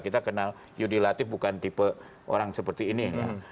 kita kenal yudi latif bukan tipe orang seperti ini ya